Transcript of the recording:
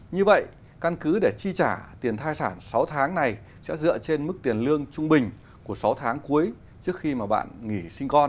như vậy căn cứ để chi trả tiền thai sản sáu tháng này sẽ dựa trên mức tiền lương trung bình của sáu tháng cuối trước khi bạn nghỉ sinh con